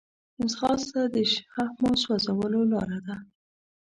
ځغاسته د شحمو سوځولو لاره ده